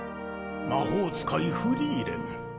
魔法使いフリーレン。